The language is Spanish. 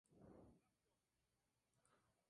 Presenta pico negruzco y garganta roja.